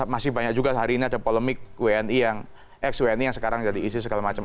masih banyak juga hari ini ada polemik wni yang ex wni yang sekarang jadi isis segala macam